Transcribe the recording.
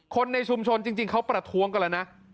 คนในชุมชนจริงเขาประท้วงกันแล้วนะ